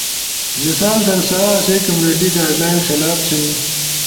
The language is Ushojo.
مثال در سا آسئی کمیونٹی گائیڈلائن خلاف تھین